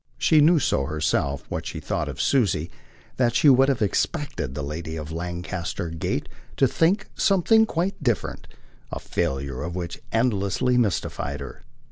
She knew so herself what she thought of Susie that she would have expected the lady of Lancaster Gate to think something quite different; the failure of which endlessly mystified her.